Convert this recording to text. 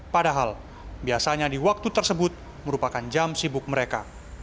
padahal biasanya di waktu tersebut merupakan jam sibuk mereka